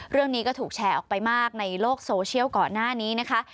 เรื่องนี้ก็ถูกแชร์ออกไปมากในโลกโซเชียลก่อนหน้านี้นะคะ